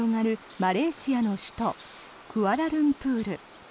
マレーシアの首都クアラルンプール。